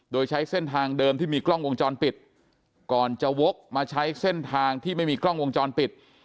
โดยใช้เส้นทางเดิมที่มีกล้องวงจรปิดก่อนจะวกมาใช้เส้นทางที่ไม่มีกล้องวงจรปิด